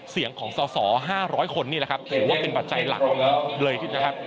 เสียงของสว๕๐๐คนนี่แหละครับถือว่าเป็นบัตรใจหลังเลยครับ